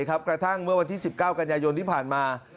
กระทั่งเมื่อวันที่๑๙กันยายนที่ผ่านมา